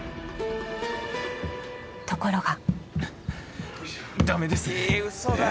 ［ところが］